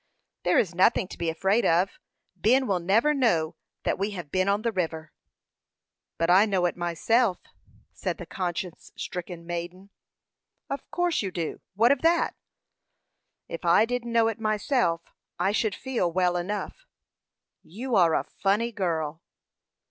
"There is nothing to be afraid of. Ben will never know that we have been on the river." "But I know it myself," said the conscience stricken maiden. "Of course you do; what of that?" "If I didn't know it myself, I should feel well enough." "You are a funny girl."